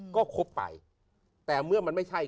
ก็ครบไปแต่เมื่อมันไม่ใช่